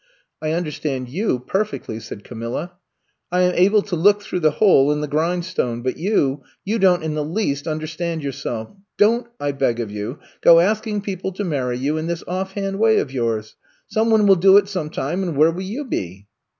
*'I understand you perfectly," said Ca milla. I am able to look through the hole in the grindstone — but you, you don't in the least understand yourself. Don't, I beg of you, go asking people to marry you in this offhand way of yours. Some one will do it some time, and where will you be!"